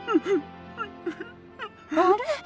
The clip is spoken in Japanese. あれ？